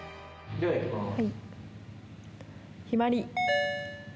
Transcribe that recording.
ではいきます。